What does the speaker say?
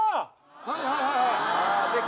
はいはいはいはい。